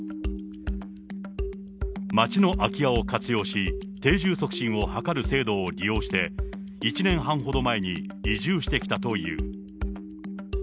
町の空き家を活用し、定住促進を図る制度を利用して、１年半ほど前に移住してきたという。